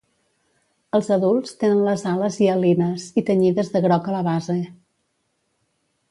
Els adults tenen les ales hialines i tenyides de groc a la base.